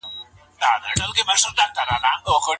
د بيلتون بله طريقه څه نوميږي؟